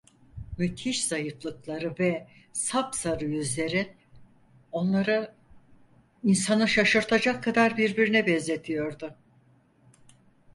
Müthiş zayıflıkları ve sapsarı yüzleri, onları, insanı şaşırtacak kadar birbirine benzetiyordu.